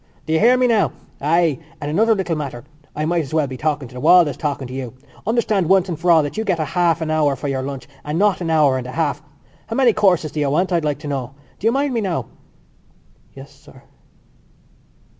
"Do you hear me now?... Ay and another little matter! I might as well be talking to the wall as talking to you. Understand once for all that you get a half an hour for your lunch and not an hour and a half. How many courses do you want, I'd like to know.... Do you mind me, now?" "Yes, sir."